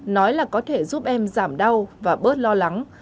nói là có thể giúp em giảm đau và bớt lo lắng